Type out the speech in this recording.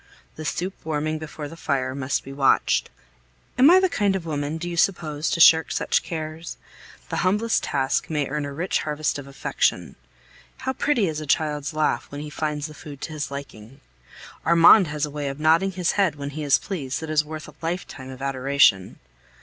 The soup warming before the fire must be watched. Am I the kind of woman, do you suppose, to shirk such cares? The humblest task may earn a rich harvest of affection. How pretty is a child's laugh when he finds the food to his liking! Armand has a way of nodding his head when he is pleased that is worth a lifetime of adoration.